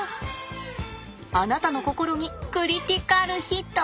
あなたの心にクリティカルヒット！